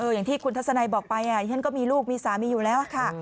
อย่างที่คุณทัศนัยบอกไปฉันก็มีลูกมีสามีอยู่แล้วค่ะ